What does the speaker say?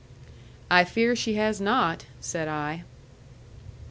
"I fear she has not," said I.